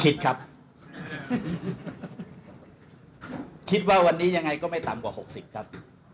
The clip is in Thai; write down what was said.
คิดครับคิดว่าวันนี้ยังไงก็ไม่ต่ำกว่าหกสิบครับ